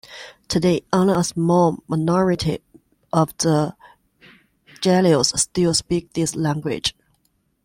Today, only a small minority of the Gelaos still speak this language.